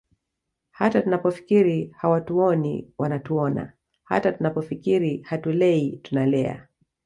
Hata tunapofikiri hawatuoni wanatuona hata tunapofikiri hatulei tunalea